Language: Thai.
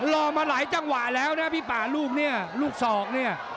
รอมาหลายจังหวะแล้วนะพี่ป่าลูกเนี่ยลูกศอกเนี่ย